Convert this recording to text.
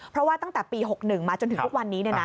เพราะว่าตั้งแต่ปี๖๑มาจนถึงทุกวันนี้